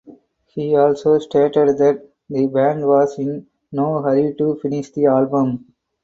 He also stated that the band was in no hurry to finish the album.